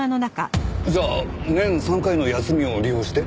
じゃあ年３回の休みを利用して？